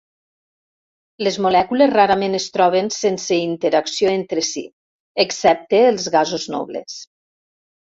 Les molècules rarament es troben sense interacció entre si, excepte els gasos nobles.